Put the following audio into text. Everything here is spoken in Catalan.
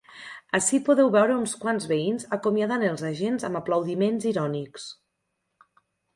Ací podeu veure uns quants veïns acomiadant els agents amb aplaudiments irònics.